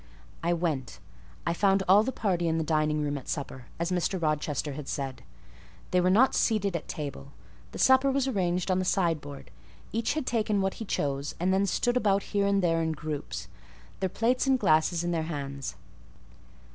I went. I found all the party in the dining room at supper, as Mr. Rochester had said; they were not seated at table,—the supper was arranged on the sideboard; each had taken what he chose, and they stood about here and there in groups, their plates and glasses in their hands.